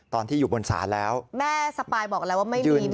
ตอนที่อยู่บนศาลแล้วแม่สปายบอกแล้วว่าไม่มีนะ